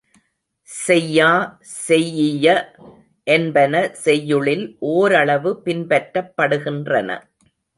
செய்யா, செய்யிய என்பன செய்யுளில் ஓரளவு பின்பற்றப்படுகின்றன.